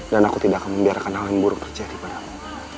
dan aku tidak akan membiarkan hal yang buruk terjadi padamu